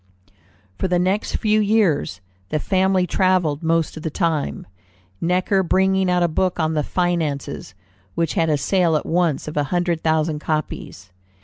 For the next few years the family travelled most of the time, Necker bringing out a book on the Finances, which had a sale at once of a hundred thousand copies.